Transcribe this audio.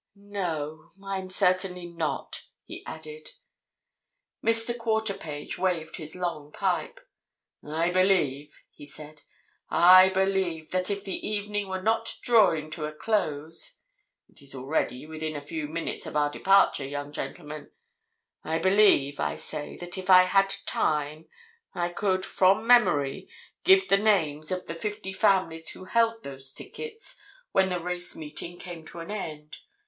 "No, I'm certainly not," he added. Mr. Quarterpage waved his long pipe. "I believe," he said, "I believe that if the evening were not drawing to a close—it is already within a few minutes of our departure, young gentleman—I believe, I say, that if I had time, I could, from memory, give the names of the fifty families who held those tickets when the race meeting came to an end.